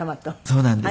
そうなんです。